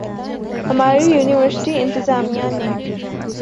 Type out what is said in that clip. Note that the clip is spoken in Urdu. ہماری یونیورسٹی انتظامیہ نے